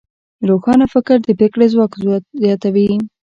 روښانه فکر د پرېکړې ځواک زیاتوي.